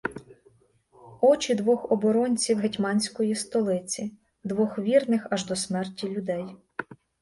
Очі двох оборонців гетьманської столиці, двох вірних аж до смерті людей.